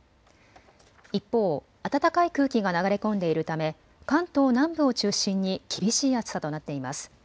一方、暖かい空気が流れ込んでいるため関東南部を中心に厳しい暑さとなっています。